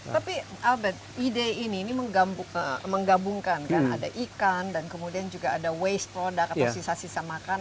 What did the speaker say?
tapi albert ide ini ini menggabungkan kan ada ikan dan kemudian juga ada waste product atau sisa sisa makanan